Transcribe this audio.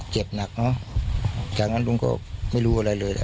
จากนั้นลุงก็ไม่รู้อะไรเลยละ